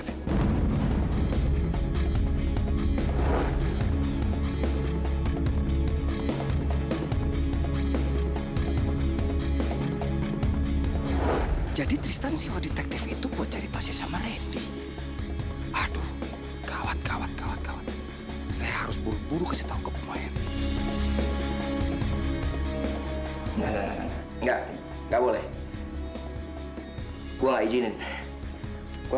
sampai jumpa di video selanjutnya